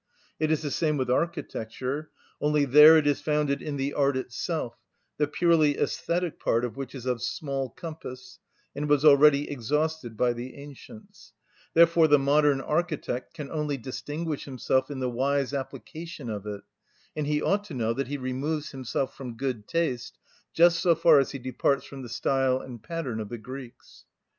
It is the same with architecture, only there it is founded in the art itself, the purely æsthetic part of which is of small compass, and was already exhausted by the ancients; therefore the modern architect can only distinguish himself in the wise application of it; and he ought to know that he removes himself from good taste just so far as he departs from the style and pattern of the Greeks.